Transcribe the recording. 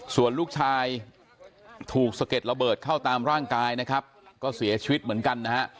ส่วนลูกชายถูกสะเก็ดระเบิดเข้าตามร่างกายนะครับก็เสียชีวิตเหมือนกันนะฮะ